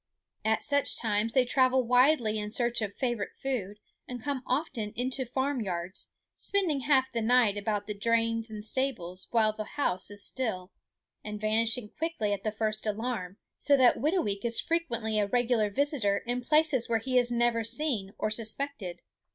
At such times they travel widely in search of favorite food and come often into the farm yards, spending half the night about the drains and stables while the house is still, and vanishing quickly at the first alarm; so that Whitooweek is frequently a regular visitor in places where he is never seen or suspected.